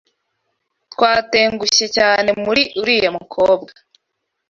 Twatengushye cyane muri uriya mukobwa.